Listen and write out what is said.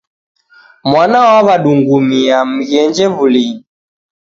Mwana w'aw'adungumia, mghenje w'ulinyi